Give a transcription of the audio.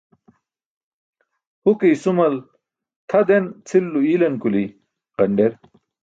Huke i̇sumal tʰa den cʰilulo i̇ilan kuli̇ ġanḍer